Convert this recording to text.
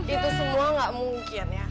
itu semua nggak mungkin ya